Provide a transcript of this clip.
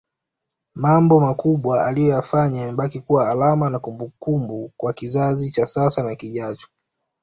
Mambo makubwa aliyoyafanya yamebaki kuwa alama na kumbukumbua kwa kizazi cha sasa na kijacho